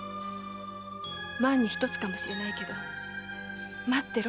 万にひとつかもしれないけど待ってろ」